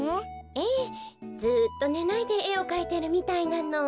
ええずっとねないでえをかいてるみたいなの。